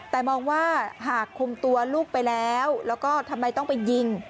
แต่มองว่าหากคุมตัวลูกไปแล้วแล้วก็ทำไมต้องไปยิง